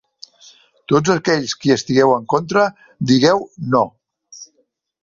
Tots aquells qui estigueu en contra, digueu No.